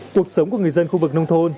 cuộc sống của người dân khu vực nông thôn